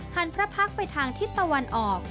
หันพระพรรคไปทางทิศตะวันออก